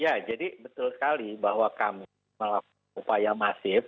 ya jadi betul sekali bahwa kami melakukan upaya masif